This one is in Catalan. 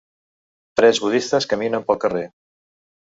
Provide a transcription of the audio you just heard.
tres budistes caminen pel carrer.